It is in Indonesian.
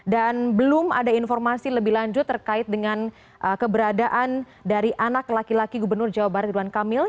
dan belum ada informasi lebih lanjut terkait dengan keberadaan dari anak laki laki gubernur jawa barat ridwan kamil